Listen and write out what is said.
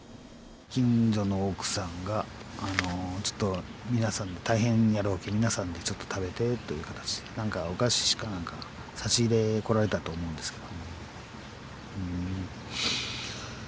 近所の奥さんがちょっと皆さん大変やろうけん皆さんでちょっと食べてという形で何かお菓子かなんか差し入れ来られたと思うんですけど。